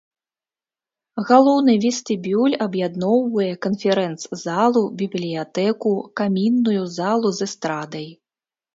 Галоўны вестыбюль аб'ядноўвае канферэнц-залу, бібліятэку, камінную залу з эстрадай.